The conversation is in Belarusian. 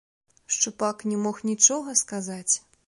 Шчупак не мог нічога сказаць.